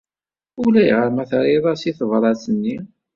Ulayɣer ma terriḍ-as i tebṛat-nni.